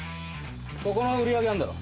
ここの売り上げあんだろ？